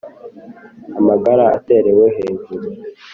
amagara aterewe hejuru